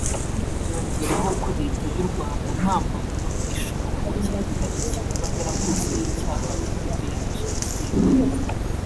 yongeraho ko Leta y’ u Rwanda nta muntu n’ umwe ishobora gukingira ikibaba yarakoze icyaha gikomeye nka jenoside